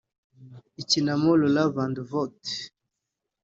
Ikinamo Laura Vandervoort